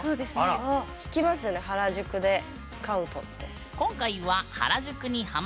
聞きますよね原宿でスカウトって。